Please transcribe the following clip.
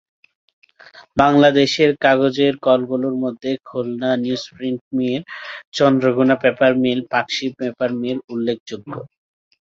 বাংলাদেশের কাগজের কলগুলোর মধ্যে Khulna newsprint mill, Chandraghona paper mill, Pakshi paper mill উল্লেখযোগ্য।